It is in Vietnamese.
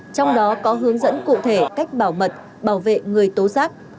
trong đó có hướng dẫn cụ thể cách bảo mật bảo vệ người tố giác